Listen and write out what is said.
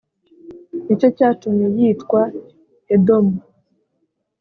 ni cyo cyatumye yitwa edomu